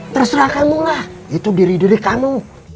terserah kamu lah itu diri diri kamu